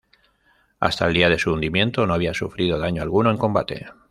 Hasta el día de su hundimiento, no había sufrido daño alguno en combate.